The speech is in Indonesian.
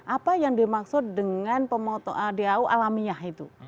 apa yang dimaksud dengan pemotongan dau alamiah itu